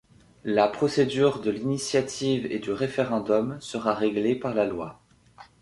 La procédure de l'initiative et du référendum sera réglée par la loi.